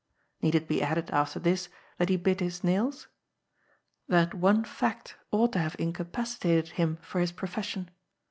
Keed it be added MUSIC AND DISCORD. 199 after this that he bit his nails? That one f act onght to have incapacitated him for his profession.